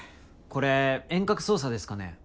これ遠隔操作ですかね。